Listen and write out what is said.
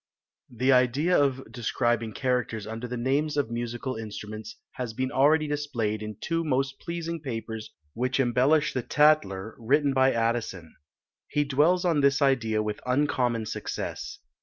The idea of describing characters under the names of Musical Instruments has been already displayed in two most pleasing papers which embellish the Tatler, written by Addison. He dwells on this idea with uncommon success.